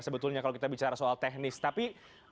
sebetulnya kalau kita bicara soal teknis tapi